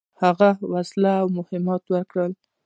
هغه ته وسلې او مهمات ورکړي.